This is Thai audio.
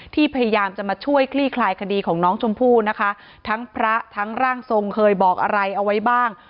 พยายามจะมาช่วยคลี่คลายคดีของน้องชมพู่นะคะทั้งพระทั้งร่างทรงเคยบอกอะไรเอาไว้บ้าง